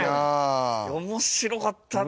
面白かったな。